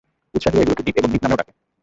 উৎসাহীরা এগুলোকে ডিপ এবং ডিপ নামেও ডাকে।